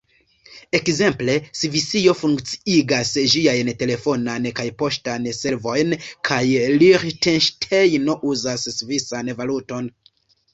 Ekzemple, Svisio funkciigas ĝiajn telefonan kaj poŝtan servojn, kaj Liĥtenŝtejno uzas svisan valuton.